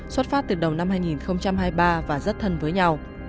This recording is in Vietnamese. xuất phát từ đầu năm hai nghìn hai mươi ba và rất thân với nhau